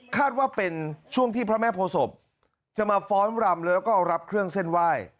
ว่าเป็นช่วงที่พระแม่โพศพจะมาฟ้อนรำแล้วก็รับเครื่องเส้นไหว้